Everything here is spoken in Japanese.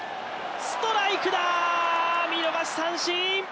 ストライクだ、見逃し三振！